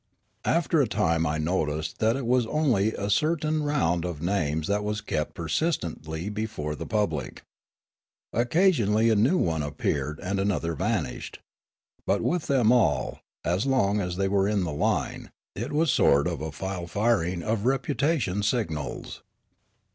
After a time I noticed that it was only a certain round of names that was kept persistently before the public. Occasionally a new one appeared and another vanished. But with them all, as long as they were in the line, it was a sort of file firing of reputation signals.